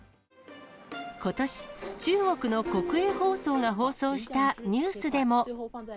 ことし、中国の国営放送が放送したニュースでも。